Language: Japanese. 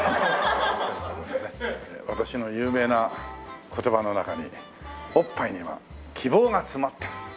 私の有名な言葉の中に「おっぱいには希望が詰まってる」。